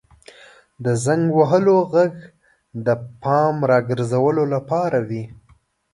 • د زنګ وهلو ږغ د پام راګرځولو لپاره وي.